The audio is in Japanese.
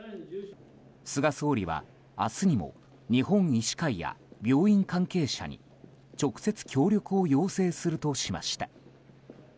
菅総理は明日にも日本医師会や病院関係者に直接、協力を要請するとしました。